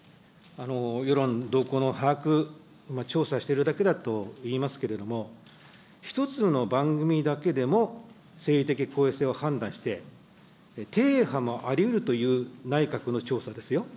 世論の動向の把握、調査しているだけだと言いますけれども、１つの番組だけでも政治的公平性を判断して、停波もありうるという内閣の調査ですよ。